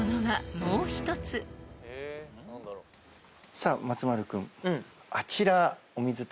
さあ松丸君。